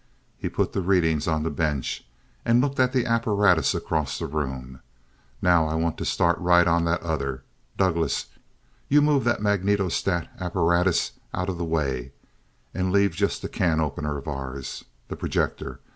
He put the readings on the bench, and looked at the apparatus across the room. "Now I want to start right on that other. Douglass, you move that magnetostat apparatus out of the way, and leave just the 'can opener' of ours the projector.